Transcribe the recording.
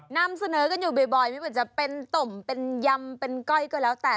นำเสนอกันอยู่บ่อยไม่ว่าจะเป็นตมเป็นยำเป็นก้อยก็แล้วแต่